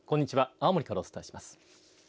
青森からお伝えします。